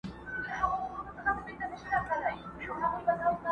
دا زموږ جونګړه بورجل مه ورانوی!!